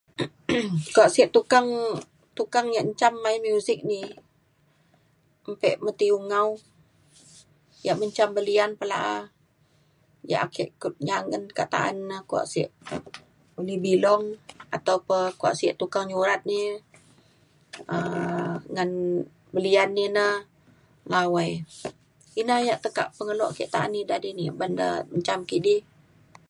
kuak sek tukang tukang yak menjam main muzik ini mbe Mathew Ngau yak menjam belian pa la’a yak ake ke- nyangen kak ta’an na kuak sek Lee Bilong atau pa kuak sek tukang nyurat ni um ngan belian ni na Lawai. ina yak tekak pengelo ke ta’an ida dini uban da menjam kidi.